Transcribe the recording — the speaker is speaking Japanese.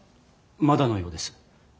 まだのようです。